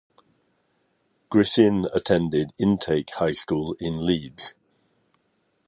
Griffin attended Intake High School in Leeds.